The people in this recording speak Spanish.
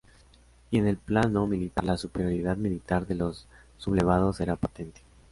Y en el plano militar, la superioridad militar de los sublevados era patente.